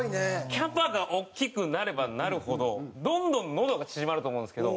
キャパが大きくなればなるほどどんどんのどが縮まると思うんですけど。